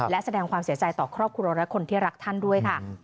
และแสดงความเสียใจต่อครอบครัวและคนที่รักท่านด้วยค่ะ